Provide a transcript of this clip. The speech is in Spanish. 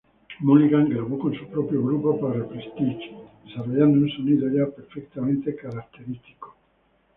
Mulligan grabó con su propio grupo para Prestige, desarrollando un sonido ya perfectamente característico.